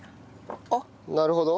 あっなるほど。